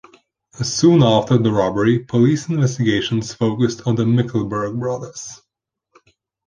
Soon after the robbery police investigations focused on the Mickelberg brothers.